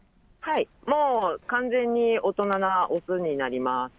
もう完全に大人な雄になります。